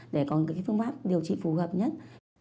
để có những phương pháp điều trị phù hợp nhất